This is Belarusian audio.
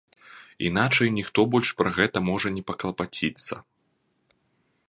Іначай ніхто больш пра гэта можа не паклапаціцца.